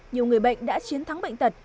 nhiều người bệnh đã chiến thắng bệnh tật